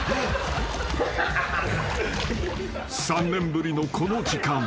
［３年ぶりのこの時間］